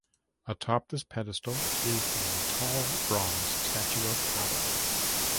Atop this pedestal is an tall bronze statue of Power.